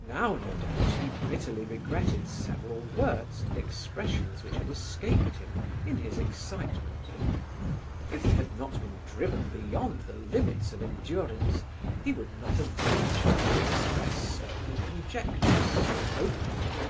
Now, no doubt, he bitterly regretted several words and expressions which had escaped him in his excitement. If he had not been driven beyond the limits of endurance, he would not have ventured to express certain conjectures so openly.